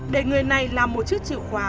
để người này làm một chiếc chìa khóa